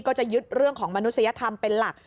ก็จะยึดเรื่องของมนุษยธรรมเป็นหลัก